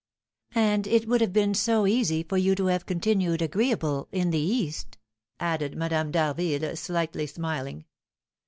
"And it would have been so easy for you to have continued agreeable in the East," added Madame d'Harville, slightly smiling.